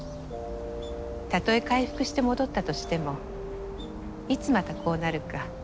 たとえ回復して戻ったとしてもいつまたこうなるか。